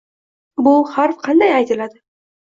Bu harf qanday aytiladi?